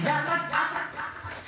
朝！